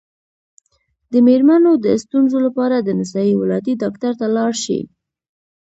د میرمنو د ستونزو لپاره د نسایي ولادي ډاکټر ته لاړ شئ